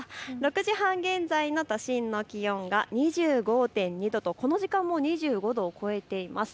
６時半現在の都心の気温が２５．２度とこの時間も２５度を超えています。